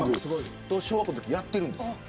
小学校のときにやってるんです。